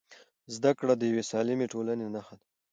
زده کړه د یوې سالمې ټولنې نښه ده.